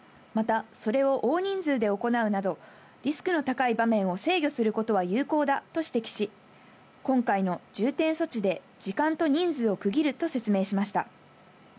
また、それを大人数で行うなど、リスクの高い場面を制御することは有効だと指摘し、今回の重点措置で時間と人数を区切ると説明しました。